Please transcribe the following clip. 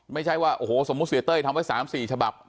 ไม่ใช่ว่าโอ้โหสมมุติเสียเต้ยทำไว้๓๔ฉบับ